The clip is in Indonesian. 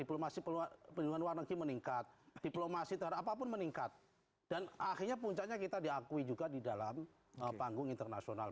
diplomasi penyelenggaraan warna keinginan meningkat diplomasi terhadap apapun meningkat dan akhirnya puncanya kita diakui juga di dalam panggung internasional